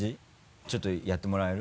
ちょっとやってもらえる？